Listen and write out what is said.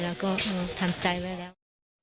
เราก็ทำใจไว้แล้ว